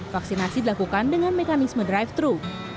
vaksinasi dilakukan dengan mekanisme drive thru